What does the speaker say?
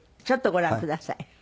ちょっとご覧ください。